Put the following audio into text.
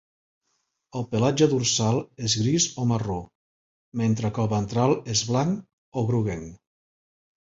El pelatge dorsal és gris o marró, mentre que el ventral és blanc o groguenc.